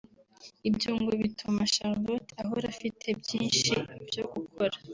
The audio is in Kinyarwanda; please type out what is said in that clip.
Ibyo ngo bituma Charlotte ahora afite byinshi byo gukora